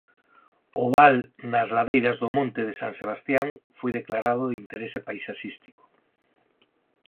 O val nas ladeiras do monte de San Sebastián foi declarado de Interese Paisaxístico.